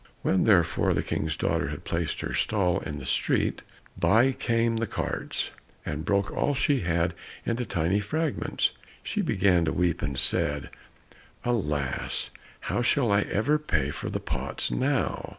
When therefore the King's daughter had placed her stall in the street, by came the carts, and broke all she had into tiny fragments. She began to weep and said, "Alas, how shall I ever pay for the pots now?"